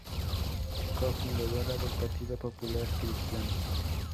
Co-fundadora del Partido Popular Cristiano.